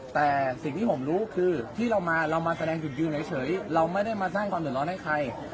แต่สิ่งที่ผมรู้คือที่เรามาเรามาแสดงจุดยืนเฉยเราไม่ได้มาสร้างความเดือดร้อนให้ใคร